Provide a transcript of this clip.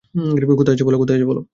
কোথায় আছে বল।